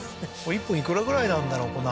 これ１本いくらぐらいなんだろう？